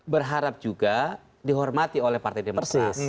berharap juga dihormati oleh partai demokrat